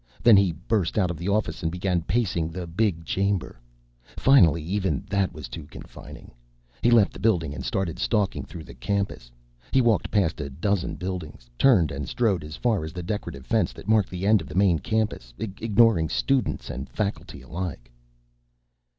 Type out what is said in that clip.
Then he burst out of the office and began pacing the big chamber. Finally, even that was too confining. He left the building and started stalking through the campus. He walked past a dozen buildings, turned and strode as far as the decorative fence that marked the end of the main campus, ignoring students and faculty alike.